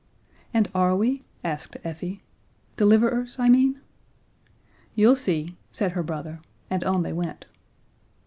"And are we," asked Effie "deliverers, I mean?" "You'll see," said her brother, and on they went.